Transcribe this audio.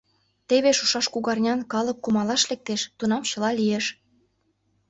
Теве шушаш кугарнян калык кумалаш лектеш, тунам чыла лиеш.